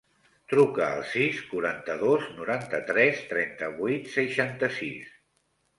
Truca al sis, quaranta-dos, noranta-tres, trenta-vuit, seixanta-sis.